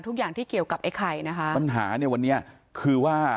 ทุกอย่างที่เกี่ยวกับไอ้ไข่นะคะปัญหาเนี่ยวันนี้คือว่า